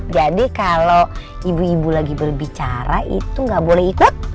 jadi kalo ibu ibu lagi berbicara itu ga boleh ikut